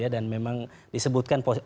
dan memang disebutkan